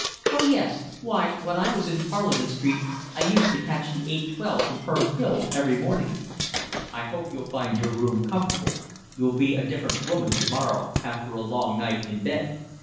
"Oh, yes. Why, when I was in Parliament Street I used to catch the eight twelve from Herne Hill every morning." "I hope you'll find your room comfortable. You'll be a different woman tomorrow after a long night in bed."